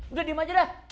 udah diem aja dah